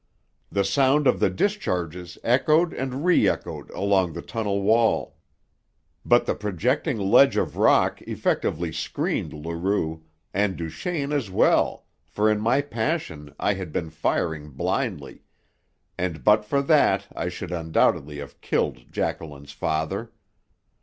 The sound of the discharges echoed and re echoed along the tunnel wall. But the projecting ledge of rock effectively screened Leroux and Duchaine as well, for in my passion I had been firing blindly, and but for that I should undoubtedly have killed Jacqueline's father.